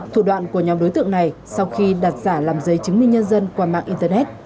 thủ đoạn của nhóm đối tượng này sau khi đặt giả làm giấy chứng minh nhân dân qua mạng internet